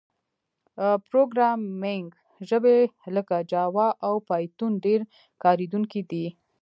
پروګرامینګ ژبې لکه جاوا او پایتون ډېر کارېدونکي دي.